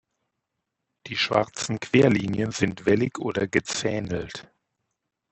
Die schwarzen Querlinien sind wellig oder gezähnelt.